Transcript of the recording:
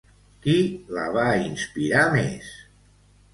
Qui la va inspirar més?